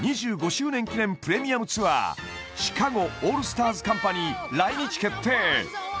２５周年記念プレミアムツアーＣＨＩＣＡＧＯオールスターズ・カンパニー来日決定